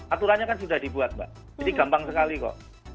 aturannya kan sudah dibuat mbak jadi gampang sekali kok